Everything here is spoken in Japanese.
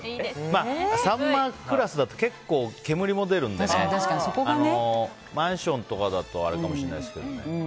サンマクラスだと結構煙も出るのでマンションとかだとあれかもしれないですけどね。